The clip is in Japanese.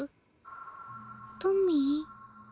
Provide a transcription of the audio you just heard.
トミー？